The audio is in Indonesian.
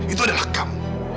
itu adalah kamu